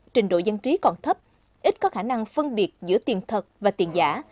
trình độ dân trí còn thấp ít có khả năng phân biệt giữa tiền thật và tiền giả